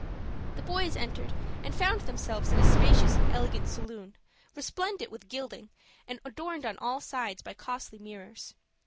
The boys entered, and found themselves in a spacious and elegant saloon, resplendent with gilding, and adorned on all sides by costly mirrors.